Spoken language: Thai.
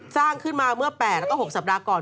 สร้างขึ้นมาเมื่อ๘แล้วก็๖สัปดาห์ก่อน